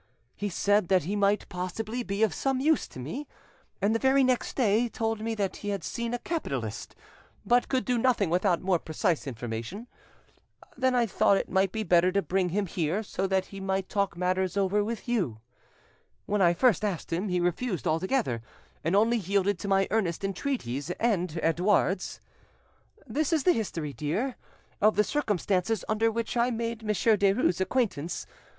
He said that he might possibly be of some use to me, and the very next day told 'me that he had seen a capitalist, but could do nothing without more precise information. Then I thought it might be better to bring him here, so that he might talk matters over with you. When I first asked him, he refused altogether, and only yielded to my earnest entreaties and Edouard's. This is the history, dear, of the circumstances under which I made Monsieur Derues' acquaintance.